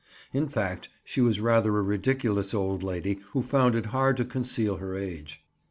In fact, she was rather a ridiculous old lady who found it hard to conceal her age.